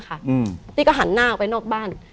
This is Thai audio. พี่ก็หันหน้าออกไปนอกบ้าน